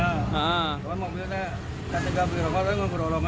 tapi mobilnya ketika beli rokok dia menggerolong